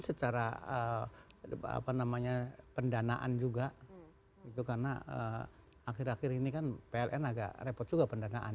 secara pendanaan juga itu karena akhir akhir ini kan pln agak repot juga pendanaan